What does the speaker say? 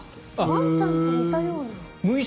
ワンちゃんと似たような。